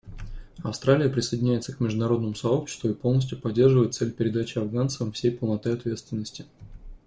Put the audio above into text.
Австралия присоединяется к международному сообществу и полностью поддерживает цель передачи афганцам всей полноты ответственности.